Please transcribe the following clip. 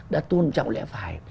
đã tôn trọng lẽ phải